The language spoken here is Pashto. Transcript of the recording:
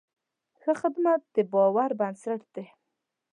ښه خدمت د باور بنسټ دی.